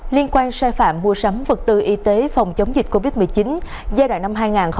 liên quan sai phạm mua sắm vật tư y tế phòng chống dịch covid một mươi chín giai đoạn năm hai nghìn hai mươi